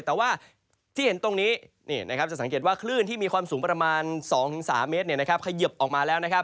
แต่ว่าที่เห็นตรงนี้จะสังเกตว่าคลื่นที่มีความสูงประมาณ๒๓เมตรเขยิบออกมาแล้วนะครับ